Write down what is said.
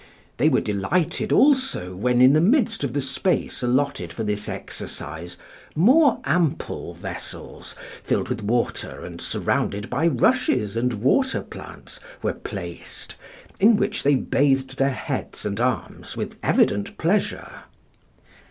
They were delighted also when, in the midst of the space allotted for this exercise, more ample vessels, filled with water, and surrounded by rushes and water plants, were placed, in which they bathed their heads and arms with evident pleasure.